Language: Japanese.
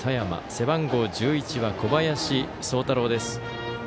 背番号１１は小林聡太朗です。